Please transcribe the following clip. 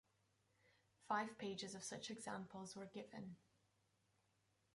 Five pages of such examples were given.